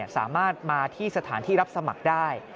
สามารถมาที่สถานที่รับสมัครได้